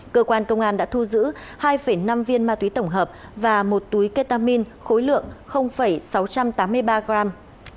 cơ quan công an đã thu giữ hai năm viên ma túy tổng hợp và một túi ketamin khối lượng sáu trăm tám mươi ba gram